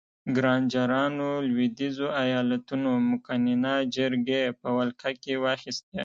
ګرانجرانو لوېدیځو ایالتونو مقننه جرګې په ولکه کې واخیستې.